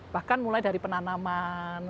bahkan mulai dari penanaman